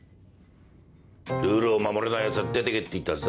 ルールを守れないやつは出てけって言ったはずだ。